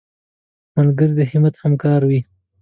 ملګری د همت همکار وي